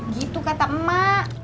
gitu kata emak